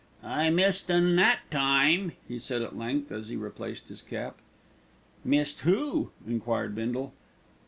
"I missed un that time," he said at length, as he replaced his cap. "Missed who?" enquired Bindle.